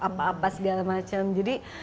apa apa segala macam jadi